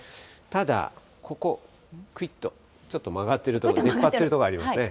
ただ、ここ、くいっとちょっと曲がっている所、出っ張っている所ありますね。